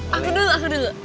aku dulu aku dulu